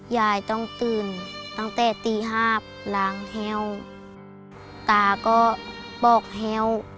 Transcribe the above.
แยกต้องตื่นตั้งแต่ตีภาพหลางแฮวตาก็ปอกแฮว